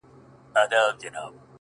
په اورېدو يې زما د زخم زړه ټکور غورځي!